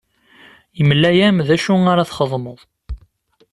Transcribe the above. Yemla-am d acu ara txedmeḍ.